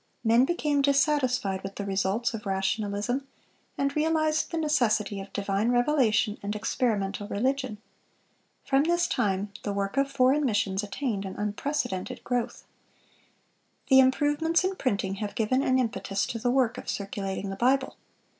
Men became dissatisfied with the results of rationalism, and realized the necessity of divine revelation and experimental religion. From this time the work of foreign missions attained an unprecedented growth.(427) The improvements in printing have given an impetus to the work of circulating the Bible.